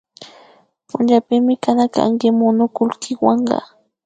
Punllapimi kana kanki manukulkiwanka